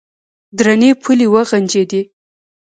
درنې پلې وغنجېدې.